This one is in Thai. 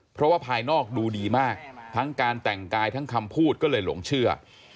เพราะว่าภายนอกดูดีมากทั้งการแต่งกายทั้งคำพูดก็เลยหลงเชื่อ